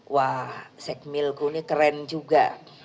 wah segmilku ini keren juga